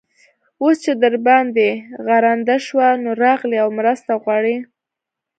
اوس چې در باندې غرنده شوه؛ نو، راغلې او مرسته غواړې.